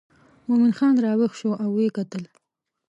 مومن خان راویښ شو او وکتل.